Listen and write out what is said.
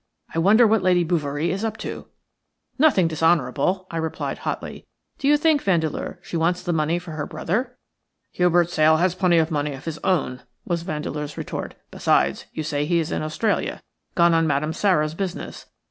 I wonder what Lady Bouverie is up to?" "Nothing dishonourable," I replied, hotly. "Do you think, Vandeleur, she wants the money for her brother?" "Hubert Sale has plenty of money of his own," was Vandeleur's retort. "Besides, you say he is in Australia – gone on Madame Sara's business.